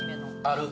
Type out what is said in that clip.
ある。